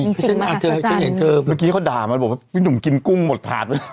ไม่ใช่มหาสมบัติเธอเห็นเธอเมื่อกี้เขาด่ามาแบบพี่หนุ่มกินกุ้งหมดถัก